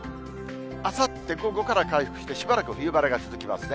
あさって午後から回復して、しばらく冬晴れが続きますね。